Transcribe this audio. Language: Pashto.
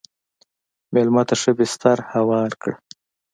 مېلمه ته ښه بستر هوار کړه.